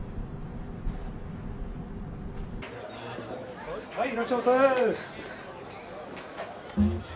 はいいらっしゃいませ。